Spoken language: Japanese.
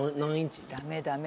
ダメダメ。